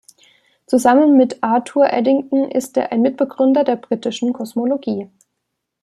Zusammen mit Arthur Eddington ist er ein Mitbegründer der britischen Kosmologie.